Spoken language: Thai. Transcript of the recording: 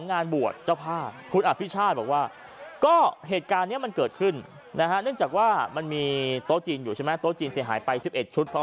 นั่นนั่นนั่นนั่นนั่นนั่นนั่นนั่น